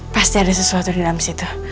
pasti ada sesuatu di dalam situ